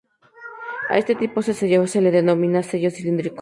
A este tipo de sello se le denomina sello cilíndrico.